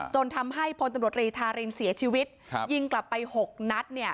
จนทำให้พลตำรวจรีธารินเสียชีวิตยิงกลับไป๖นัดเนี่ย